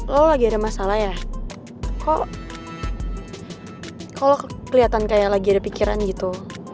lo lagi ada masalah ya kok kalau kelihatan kayak lagi ada pikiran gitu